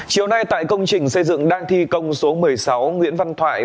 chiều nay tại công trình xây dựng đang thi công số một mươi sáu nguyễn văn thoại